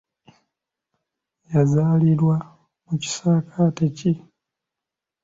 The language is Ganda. Yazaalirwa mu kisaakaate ki?